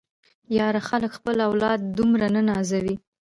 ياره خلک خپل اولاد دومره نه نازوي.